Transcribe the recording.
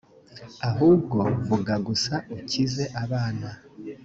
ahubwo vuga gusa ukize abana